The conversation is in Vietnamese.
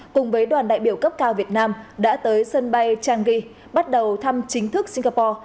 cùng với đoàn đại biểu cấp cao việt nam đã tới sân bay changi bắt đầu thăm chính thức singapore